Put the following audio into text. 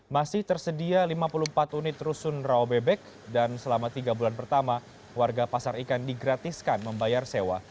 masih tersedia lima puluh empat unit rusun rawabebek dan selama tiga bulan pertama warga pasar ikan digratiskan membayar sewa